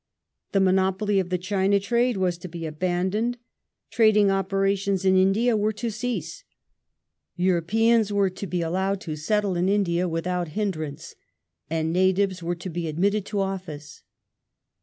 The monopoly of the China trade was to be abandoned ; trading operations in India were to cease ; Europeans were to be allowed to settle in India without hindrance, and natives were to be admitted to office.